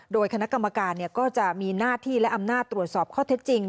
โดยคณะกรรมการก็จะมีหน้าที่และอำนาจตรวจสอบข้อเท็จจริง